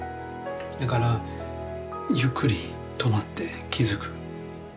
だからゆっくり止まって気付く。